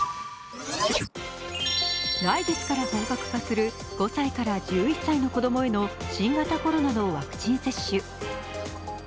来月から本格化する５歳から１１歳の子供への新型コロナのワクチン接種。